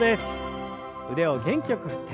腕を元気よく振って。